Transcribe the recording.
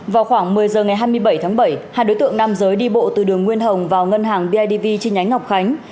vào khoảng một mươi giờ ngày hai mươi bảy tháng bảy hai đối tượng nam giới đi bộ từ đường nguyên hồng vào ngân hàng bidv chi nhánh ngọc khánh